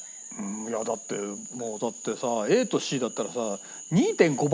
いやだってもうだってさＡとＣだったらさ２．５倍も大きいんだぜ？